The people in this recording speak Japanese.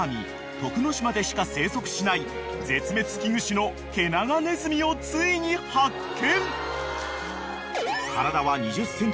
徳之島でしか生息しない絶滅危惧種のケナガネズミをついに発見！］